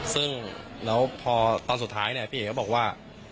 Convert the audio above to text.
ซึ่งแล้วพอตอนสุดท้ายเนี่ยพี่เอกก็บอกว่า